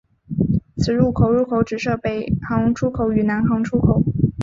此出入口只设北行出口与南行入口。